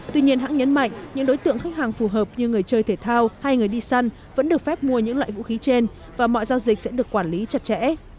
tuy nhiên hãng nhấn mạnh những đối tượng khách hàng phù hợp như người chơi thể thao hay người đi săn vẫn được phép mua những loại vũ khí trên và mọi giao dịch sẽ được quản lý chặt chẽ